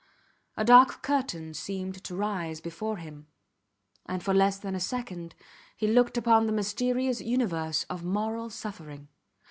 A dark curtain seemed to rise before him, and for less than a second he looked upon the mysterious universe of moral suffering.